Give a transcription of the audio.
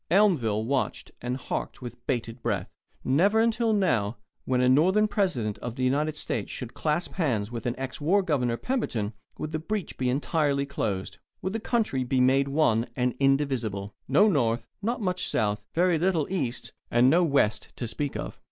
Elmville watched and harked with bated breath. Never until now when a Northern President of the United States should clasp hands with ex war Governor Pemberton would the breach be entirely closed would the country be made one and indivisible no North, not much South, very little East, and no West to speak of.